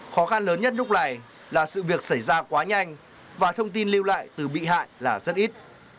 khó khăn lớn nhất lúc này là sự việc xảy ra quá nhanh và thông tin lưu lại từ bị hại là rất ít